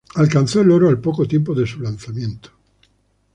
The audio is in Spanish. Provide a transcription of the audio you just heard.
Alcanzó el oro al poco tiempo de su lanzamiento.